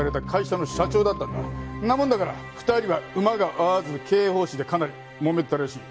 んなもんだから２人はウマが合わず経営方針でかなりもめてたらしい。